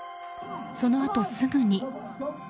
そのあとすぐに。